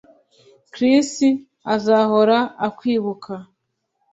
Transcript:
Chris azahora akwibuka